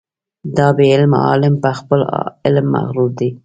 دا بې علمه عالم په خپل علم مغرور دی.